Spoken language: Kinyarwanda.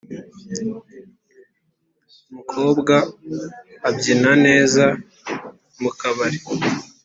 mukobwa abyina neza mukabari.